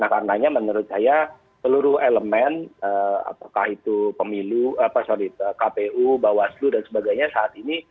nah karena menurut saya seluruh elemen apakah itu kpu bawaslu dan sebagainya saat ini